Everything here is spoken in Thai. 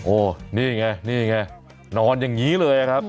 นี่ไงนี่ไงนอนอย่างนี้เลยครับ